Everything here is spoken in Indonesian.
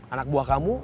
anak buah kamu